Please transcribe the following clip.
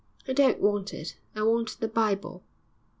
'I don't want it; I want the Bible.'